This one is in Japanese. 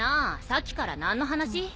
さっきから何の話？